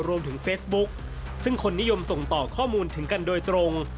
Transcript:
รวมถึงเฟซบุ๊คซึ่งคนนิยมส่งต่อข้อมูลถึงกันโดยตรง